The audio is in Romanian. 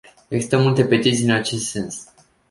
Există multe petiții în acest sens.